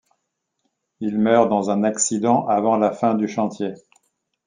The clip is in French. Il meurt dans un accident avant la fin du chantier.